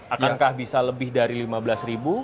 akankah bisa lebih dari lima belas ribu